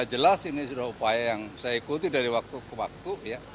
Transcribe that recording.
jelas ini sudah upaya yang saya ikuti dari waktu ke waktu